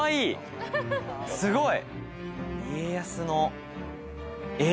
すごい！